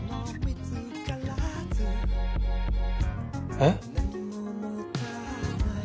えっ？